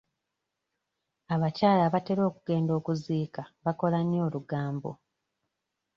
Abakyala abatera okugenda okuziika bakola nnyo olugambo.